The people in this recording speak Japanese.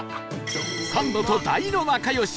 サンドと大の仲良し